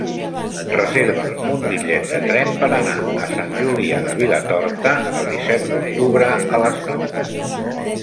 Reserva'm un bitllet de tren per anar a Sant Julià de Vilatorta el disset d'octubre a les nou.